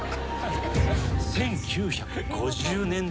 １９５０年代。